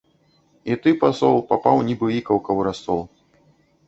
І ты, пасол, папаў, нібы ікаўка ў расол!